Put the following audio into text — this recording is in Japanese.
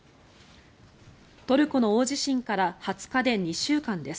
トルコの大地震から２０日で２週間です。